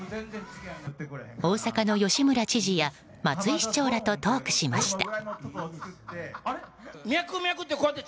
大阪の吉村知事や松井市長らとトークしました。